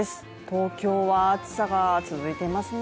東京は暑さが続いていますね。